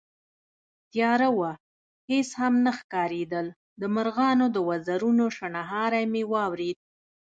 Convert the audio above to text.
تياره وه، هېڅ هم نه ښکارېدل، د مرغانو د وزرونو شڼهاری مې واورېد